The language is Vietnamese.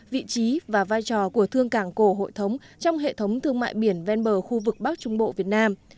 vị trí và vai trò của thương cảng cổ hội thống trong hệ thống thương mại biển ven bờ khu vực bắc trung bộ việt nam